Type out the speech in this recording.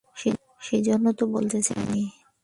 সেইজন্যেই তো বলতে চাই নি।